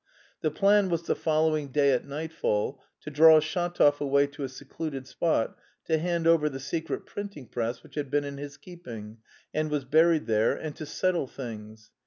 The plan was the following day at nightfall to draw Shatov away to a secluded spot to hand over the secret printing press which had been in his keeping and was buried there, and there "to settle things."